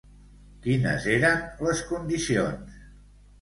Quines eren les condicions?